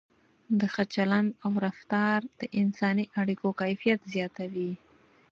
د ښه چلند او رفتار د انساني اړیکو کیفیت زیاتوي.